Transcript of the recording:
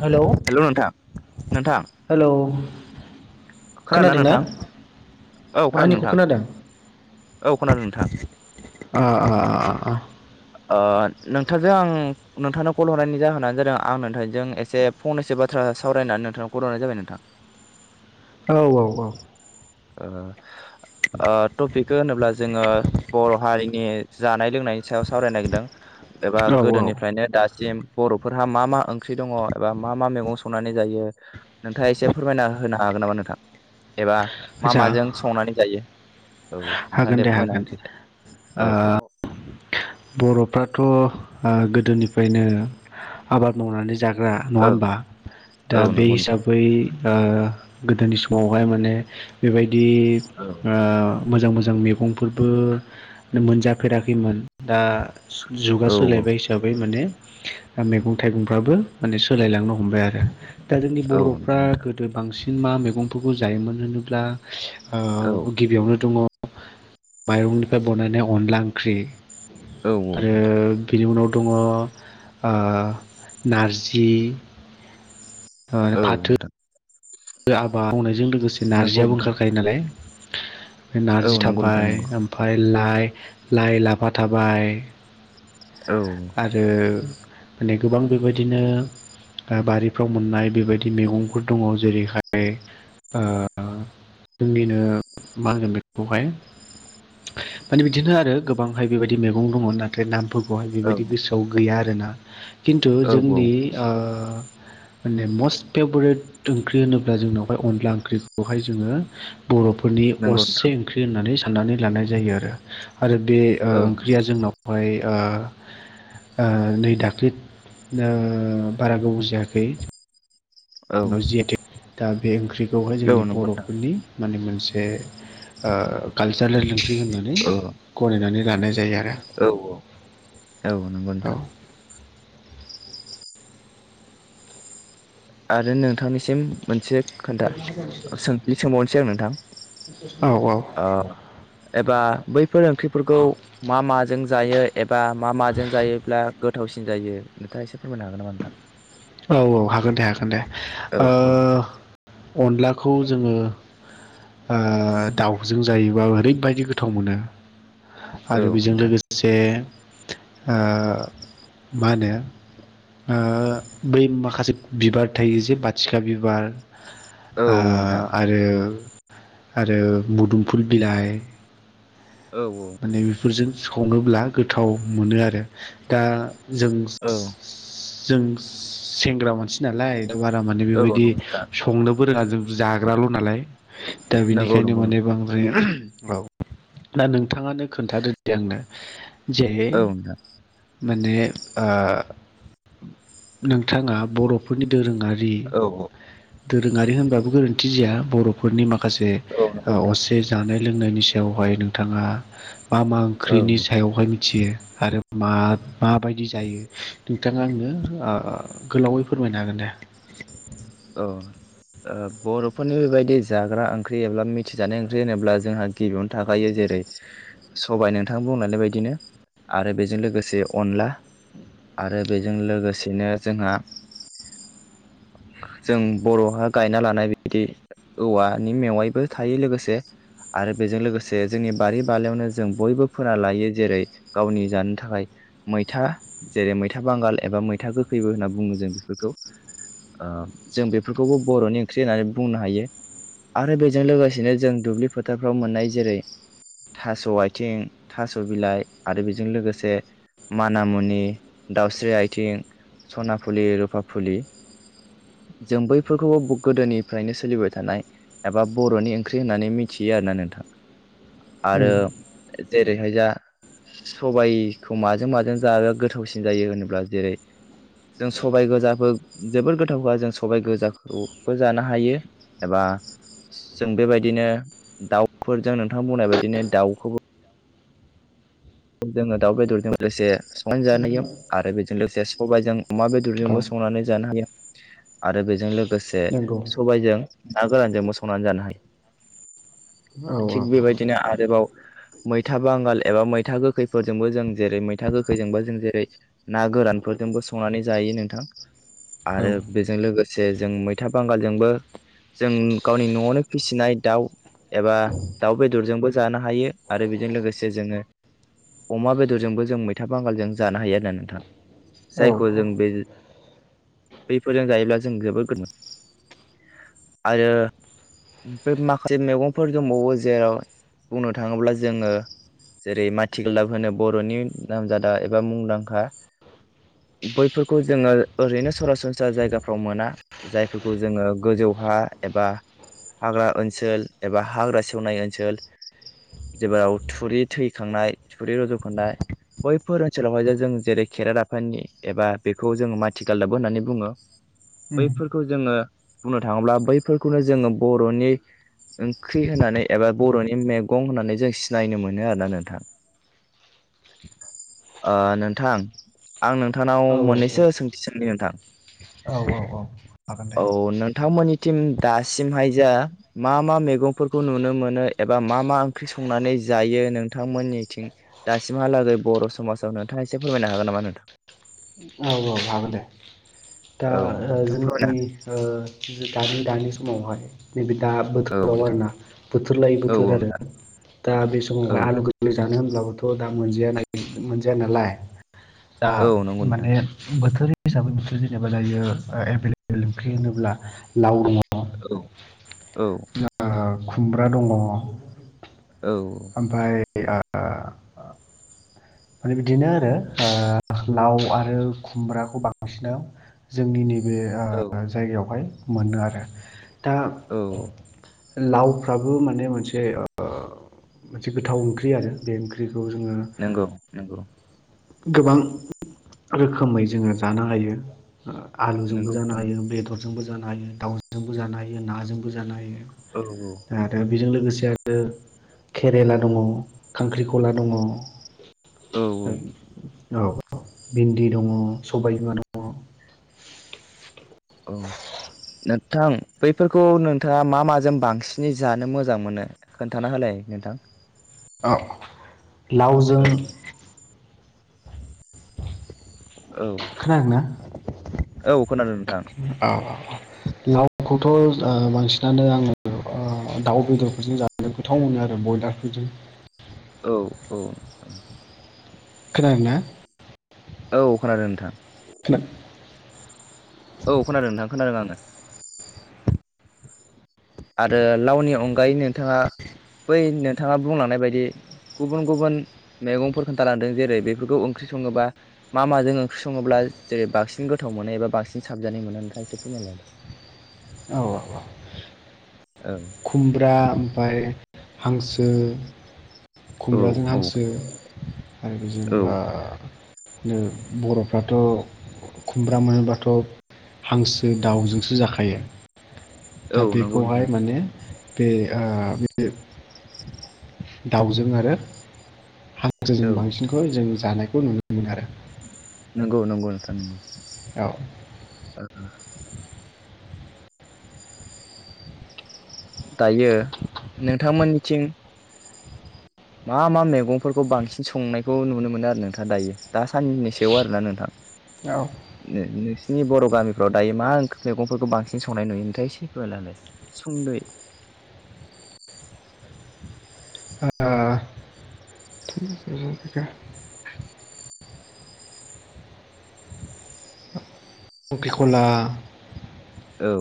हेल' hello खोनादो नोंथां औ खोनादो आंनिखौ नोंथां खोनादों औ खोनादों नोंथां अ अ अ अ अ नोंथांजों आं नोंथांनो कल हरनायनि जाहोनानो जादों आं नोंथांजों एसे फननैसो बाथ्रा सावरायना नोंथां खर हरनाय जाबाय नोंथां औ औ औ ओ अ टपिकखौ होनोब्ला जोङो बर' हारिनि जानाय लोंनायनि सायाव सावरायनो नागिरदों एबा औ औ गोदोनिफ्रायनो दासिम बर'- फोरहा मा मा ओंख्रि दङ एबा मा मा मैगं संनानै जायो नोंथाङा एसे फोरमायना होनो हागोन नामा नोंथां? एबा मा आदसा माजों संनानै जायो? औ नोंथां हागोन दे फोरमायना हागोन होनसै दे औ औ । बर'फ्राथ' ओ गोदोनिफ्रायनो आबाद मावनानै जा ग्रा नङा होमबा औ दा औ बे नंगौ नोंथां हिसाबै अ गोदोनि समावहाय माने बेबायदि औ अ मोजां-मोजां मैगंफोरबो मोनजाफेराखैमोन दा जुगा औ सोलायबाय हिसाबै माने मैगं थाइगंफ्राबो माने सोलायलांनो हमबाय आरो। दा जोंनि औ बर'फ्रा नंगौ नोंथां गोदो बांसिन मा मैगंफोरखौ जायोमोन होनोब्ला औ ओ गिबियावनो दङ माइरंनिफ्राय बनायनाय अनला ओंख्रि औ आरो बिनि उनाव दङ ओ नारजि ओ औ फाथो नोंथां आबाद मावनायजों लोगोसे नंगौ नारजियाबो नोंथां ओंखारखायो नालाय। औ नारजि नंगौ नोंथां थाबाय नंगौ ओमफ्राय लाइ लाइ लाफा थाबाय। औ आरो माने गोबां बेबायदिनो बारिफ्राव मोननाय बेबायदि मैगंफोर दङ जेरैहाय ओ जोंनिनो मा होनगोन बेखौहाय माने बिदिनो आरो गोबांहाय बेबायदि मैगं दंमोन नाथाय नाम फोरफोरखौहाय औ बेबायदि गोसोआव गैया आरो ना खिन्थु औ औ जोंनि ओ माने मस्ट फेभरेट ओंख्रि होनोब्ला जोंनावहाय अनला ओंख्रिखौहाय जोङो बर'फोरनि नंगौ असे नोंथां ओंख्रि होननानै साननानै लानाय जायो आरो। आरो बे औ नंगौ ओंख्रिया जोंनावहाय ओ नै दाख्लि ओ बारा गोबाव जायाखै औ जि आइ तेक दा बे ओंख्रिखौहाय औ जोंनि नंगौ नोंथां बर'फोरनि माने मोनसे दे ओ कालसारेल ओंख्रि होननानै गनायनानै लानाय जायो आरो। औ-औ औ नंगौ नोंथां। औ आरो नोंथांनिसिम मोनसे खोन्था सों सोंबावनोसै आं नोंथां। औ-औ ओ एबा बैफोर ओंख्रिफोरखौ मा माजों जायो एबा मा माजों जायोब्ला गोथावसिन जायो नोंथाङा एसे फोरमायनो हागोन नामा नोंथां। औ-औ हागोन दे हागोन दे औ ओ औ अनलाखौ जोङो ओ दाउजों जायोबा ओरैबायदि गोथाव मोनो। औ आरो बेजों नोंथां लोगोसे ओ मा होनो? ओ बै माखासे बिबार थायो जे बाथिखा बिबार। औ औ नोंथां आं आरो आरो मुदुमफुल बिलाइ। औ-औ फोरजों संङोब्ला गोथाव मोनो आरो दा जों औ जों सेंग्रा मानसि नालाय दा बारा माने नंगौ बेबायदि नोंथां संनोबो रोङा जों। जाग्राल नालाय दा नंगौ बेनिखायनो नंगौ माने नोंथां बांद्राय औ दा नों नोंथाङानो खोन्थादोदि आंनो जेहे औ नोंथां माने ओ नोंथाङा बर'फोरनि दोरोङारि रि औ दोरोङारि होनबाबो गोरोन्थि जिया बर'फोरनि माखासे औ नंगौ माखासे नोंथां असे जानाय लोंनायनि सायावहाय नोंथाङा मा मा औ ओंख्रिनि सायावहाय मिथियो आरो मा माबायदि जायो नोंथाङा आंनो गोलावैफोर फोरमायनो हागोन दे। औ बर'फोरनि बेबायदि जाग्रा ओंख्रि एबा मिथिजानाय ओंख्रि होनोब्ला जोंहा गिबियावनो थाखायो जेरै जेरै सबाय नोंथां बुंलानाय बायदिनो आरो बेजों लोगोसे अनला। आरो बेजों लोगोसेनो जोंहा [inaudible] जों बर'हा गायना लानाय बिदि औवानि मेवाइबो थायो लोगोसे आरो बेजों लोगोसे जोंनि बारि बालायावनो जों बयबो फोना लायो जेरै गावनि जानो थाखाय। मैथा जेरै मैथा बांगाल एबा मैथा गोखैबो होनना बुङो जों बेफोरखौ । [unintelligible] ओ जों बेफोरखौबो बर'नि ओंख्रि होननानै बुंनो हायो आरो बेजों लोगोसेनो जों दुब्लि फोथारफ्राव मोननाय जेरै थास' आथिं थास' बिलाइ आरो बेजों लोगोसे मानामुनि दाउस्रि आथिं सनाफुलि रुपाफुलि जों बैफोरखौबो गोदोनिफ्रायनो सोलिबाय थानाय एबा बर'नि ओंख्रि होननानै मिथियो आरो ना नोंथां आरो जेरैहाय जा सबायाइखौ माजों माजों जाबा गोथावसिन जायो होनोब्ला जेरै जों सबाय गोजाफोर जोबोद गोथ थाव जों सबाय गोजाखौबो जानो हायो एबा जों बेबायदिनो दाउफोरजों नोंथां बुंनाय बायदिनो दाउखौबो जोङो दाउ बेदरजों लोगोसे संनानै जानाय आरो बेजों लोगोसे सबायजों अमा औ बेदरजोंबो सं मावनानै जानो हायो आरो बेजों लोगोसे नंगौ सबायाइजों ना गोरानजोंबो संनानै जानो हायो औ । औ थिग बेबायदिनो आरोबाव मैथा बांगाल एबा मै मैथा गोखैफोरजोंबो जों जेरै मैथा गोखैजोंबो जों जेरै ना गोरानफोरजोंबो संनानै जायो नोंथां । [unintelligible] आरो बेजों लोगोसे जों मैथा बांगालजोंबो जों गावनि न'आवनो फिसिनाय दाउ एबा दाउ बेदरजोंबो जानो हायो आरो बेजों लोगोसे जोङो अमा बेदरजोंबो जों मैथा बांगालजों जानो हायो आरोना नोंथां जायखौ जों बे बैफोरजों जायोब्ला जों जबोर गो आरो बै माखासे मैगंफोर दंबावो जेराव बुंनो थाङोब्ला जोङो जेरै माथिगलाब होनो बर'नि नामजादा एबा मुंदांखा बैफोरखौ जोङो ओरैनो सरासनस्रा जायगाफ्राव मोना जायफोरखौ जोङो गोजौ बहा एबा हाग्रा ओनसोल एबा हाग्रा सेवनाय ओनसोल जाव थुरि थैखांनाय थुरि रज'खांनाय बैफोर ओनसोलावहाय जों जेरै खेरादाफिनि एबा बेखौ जोंङो माथिगालदाबबो होननानै बुङो बैफोरखौ जोङो बुंनो थाङोब्ला बैफोरखौनो जोङो बर'नि ओंख्रि होननानै एबा बर'नि मेगं होननानै जों सिनायनो मोनो नो आरोना नोंथां ओ नोंथां । आं नोंथांनाव मोननैसो सोंथि सोंनि नोंथां । औ औ औ हागोन दे औ नोंथांमोननि टिम दासिमहाय जा मा मा मैगंफोरखौ नुनो मोनो एबा मा मा ओंख्रि संनानै जायो नोंथांमोननिथिं दासिमहालागै बर' समाजाव नोंथाङा एसे फोरमायनो हागोन नामा नोंथां । औ औ हागोन दे दा औ नोंथां जोंनि फोरमायनो ओ दानि दानि समावहाय नैबे दा हागोन बोथोराव आरोना बोथोर लायै औ नोंथां औ बोथोर औ आरो नोंथां दा बे औ समावहाय आलु गोरलै जानो होनब्लाबोथ' दा मोनजाया मोनजायनालाय दा औ नंगौ नोंथां माने बोथोर हिसाबै ओंख्रि जेनेबा जायो एभेलेबेल ओंख्रि होनोब्ला लाव दङ । औ औ खुमब्रा दङ । औ [unintelligible] माने बिदिनो आरो ओ लाव आरो खुमब्राखौ बांसिन जोंनि नैबे ओ जायगायावहाय मोनो आरो दा औ लावफ्राबो माने मोनसे मोनसे गोथाव ओंख्रि आरो बे ओंख्रि । नंगौ नंगौ गोबां रोखोमै जोङो जानो हायो आलुजोंबो नंगौ जानो नोंथां हायो बेदरजोंबो जानो हायो दाउजोंबो जानो हायो नाजोंबो जानो हायो औ औ दा आरो बेजों लोगोसे नो केरेला दङ खांख्रिखला दङ औ औ औ भिन्दि दङ सबाइ बिमा दङ औ नोंथां बैफोरखौ नोंथाङा मा माजों बांसिनै जानो मोजां मोनो खोनथाना होलाय नोंथां औ लाउजों औ औ खोनादों ना औ खोनादों नोंथां लाउखौथ' बांसिनानो आङो दाउ बेदरफोरजों जानो गोथाव मोनो आरो ब्रयलारफोरजों औ औ औ खोनादोंना औ खोनादों नोंथां। खोना औ खोनादों नोंथां खोनादों आङो आरो लाउनि अनगायै नोंथाङा बै नोंथाङा बुंलांनाय बायदि गुबुन गुबुन मैगंफोर खोन्थालांदों जेरै बेफोरखौ ओंख्रि सङोबा मा माजों ओंख्रि सङोब्ला जे बांसिन गोथाव मोनो एबा बांसिन साबजानाय मोनो नोंथां एसे फोरमायलाय औ औ औ औ खुमब्रा ओमफाय हांसो औ खुमब्राजों औ हांसो आरो बेजों औ ओ बर'फ्राथ' खुमब्रा मोनोब्लाथ' हांसो दाउजोंसो जाखायो औ दा नंगौ नोंथां। बेखौहाय माने बे ओ दाउजों आरो औ हांसोजों बांसिनखौ जों जानायखौ नुनो मोनो आरो नंगौ नंगौ नोंथां नंगौ औ [inaudible] दायो नोंथांमोननिथिं मा मा मैगंफोरखौ बांसिन संनायखौ नुनो मोनो आरो नोंथां दायो दा साननैसोआव आरोना नोंथां औ नोंसिनि बर' गामिफ्राव दायो मा मैगंफोरखौ बांसिन संनाय नुयो नोंथाङा एसे फोरमायना होलाय नै [inaudible] [inaudible] खांख्रिंख'ला औ